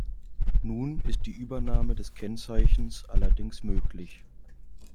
Nun ist die Übernahme des Kennzeichens allerdings möglich.